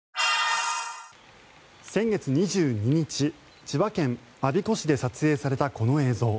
先月２２日千葉県我孫子市で撮影されたこの映像。